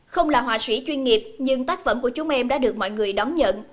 không là họa sĩ chuyên nghiệp nhưng tác phẩm của chúng em đã được mọi người đón nhận